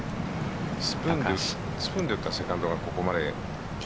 スプーンで打ったセカンドがここまで。